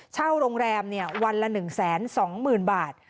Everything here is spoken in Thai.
เช่าโรงแรมเนี่ยวันละ๑๒๐๐๐๐บาท